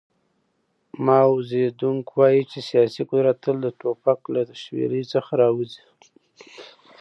ماو زیډونګ وایي چې سیاسي قدرت تل د ټوپک له شپېلۍ څخه راوځي.